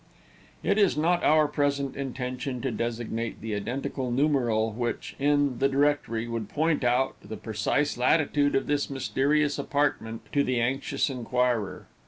It is not our present intention to designate the identical numeral which, in the directory, would point out the precise latitude of this mysterious apartment to the anxious inquirer.